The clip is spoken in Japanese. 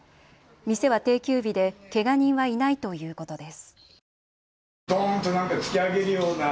店は定休日でけが人はいないということです。